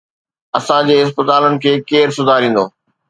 اسان جي اسپتالن کي ڪير سڌاريندو؟